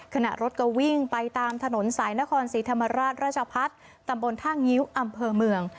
ขณะรถก็วิ่งไปตามถนนสายนครศรีธรรมราชราชพัฒน์ตำบลท่างิ้วอำเภอเมือง